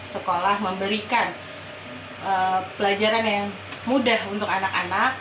sekolah memberikan pelajaran yang mudah untuk anak anak